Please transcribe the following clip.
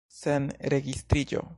Sen registriĝo.